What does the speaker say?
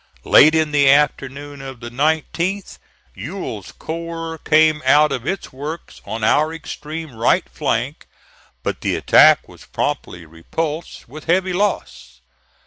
Late in the afternoon of the 19th, Ewell's corps came out of its works on our extreme right flank; but the attack was promptly repulsed, with heavy loss.